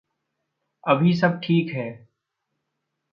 अभी सब ठीक है।